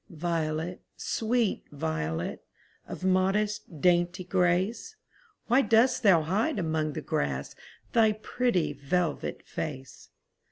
Violet, sweet violet, Of modest, dainty grace, Why dost thou hide among the grass Thy pretty velvet face?